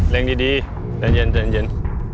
เร็งดีระเย็น